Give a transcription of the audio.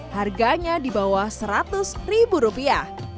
harganya di bawah seratus ribu rupiah